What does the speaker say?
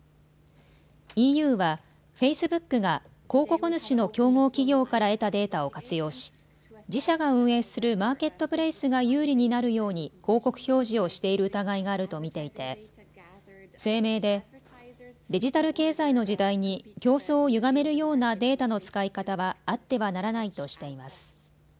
ＥＵはフェイスブックが広告主の競合企業から得たデータを活用し自社が運営するマーケットプレイスが有利になるように広告表示をしている疑いがあると見ていて声明でデジタル経済の時代に競争をゆがめるようなデータの使い方はあってはならないとしています。